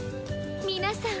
皆さん